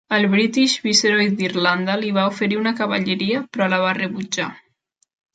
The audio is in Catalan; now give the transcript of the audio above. El British Viceroy d"Irlanda li va oferir una cavalleria, però la va rebutjar.